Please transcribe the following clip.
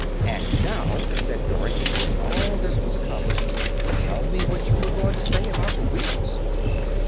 "And now," said Dorothy, when all this was accomplished, "tell me what you were going to say about the Wheelers."